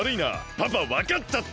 パパわかっちゃったぞ！